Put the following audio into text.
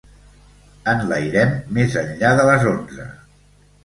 Enlairem més enllà de les onze.